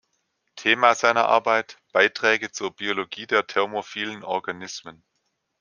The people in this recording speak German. Thema seiner Arbeit: ""Beiträge zur Biologie der thermophilen Organismen"".